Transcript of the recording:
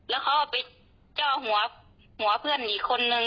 แล้วเขาเอาไปเจ้าหัวเพื่อนอีกคนนึง